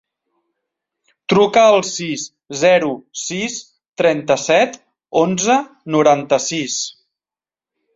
Truca al sis, zero, sis, trenta-set, onze, noranta-sis.